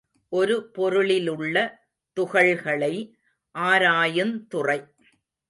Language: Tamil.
ஒரு பொருளிலுள்ள துகள்களை ஆராயுந் துறை.